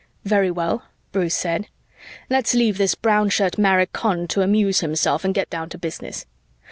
"Very well," Bruce said, "let's leave this Brown Shirt maricón to amuse himself and get down to business.